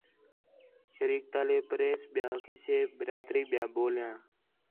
شریکتالے، پریس ٻِیا قِصّے، برادری ٻِیا ٻولیاں